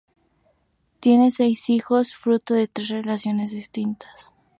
Tiene seis hijos fruto de tres relaciones distintas.